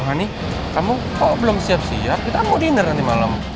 hani kamu kok belum siap siap kita mau dinner nanti malam